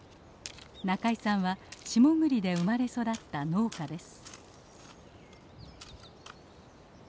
仲井さんは下栗で生まれ育った農家です。